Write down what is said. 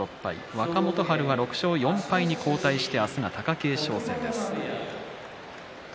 若元春は６勝４敗に後退して明日は貴景勝戦です。